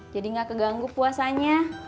jadi gak keganggu puasanya